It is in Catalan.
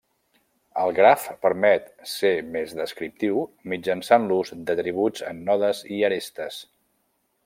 El graf permet ser més descriptiu mitjançant l'ús d'atributs en nodes i arestes.